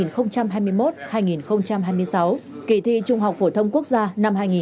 kỳ thi trung học phổ thông quốc gia năm hai nghìn hai mươi